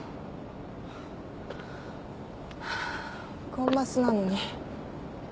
コンマスなのに。